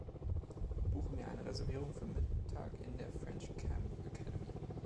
Buche mir eine Reservierung für Mittag in der French Camp Academy